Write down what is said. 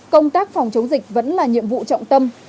công tác phòng chống dịch vẫn là nhiệm vụ trọng tâm